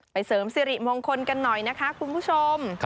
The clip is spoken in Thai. เสริมสิริมงคลกันหน่อยนะคะคุณผู้ชม